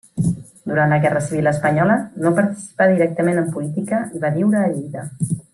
Durant la Guerra civil espanyola no participà directament en política i va viure a Lleida.